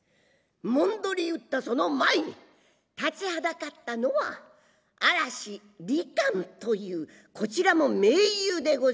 もんどり打ったその前に立ちはだかったのは嵐璃というこちらも名優でございます。